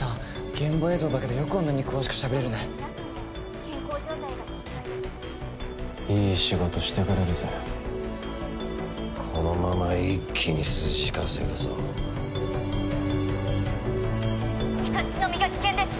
現場映像だけでよくあんなに詳しくしゃべれるね人質となっている皆さんの健康状態が心配ですいい仕事してくれるぜこのまま一気に数字稼ぐぞ人質の身が危険です